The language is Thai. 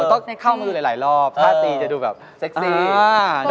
ต้องเข้ามือหลายรอบถ้าตีจะดูแบบเซ็กซี่